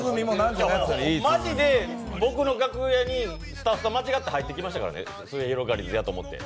マジで僕の楽屋にスタッフさん間違って入ってきましたからね、すゑひろがりずさんやと思うて。